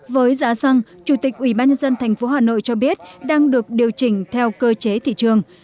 với giá xăng chủ tịch ubnd tp hà nội cho biết đang được điều chỉnh theo cơ chế thị trường